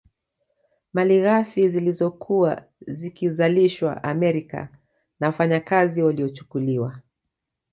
Malighafi zilizokuwa zikizalishwa Amerika na wafanyakazi waliochukuliwa